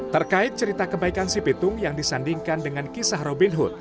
terkait cerita kebaikan si pitung yang disandingkan dengan kisah robin hood